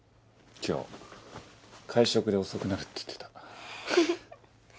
今日会食で遅くなるって言ってた。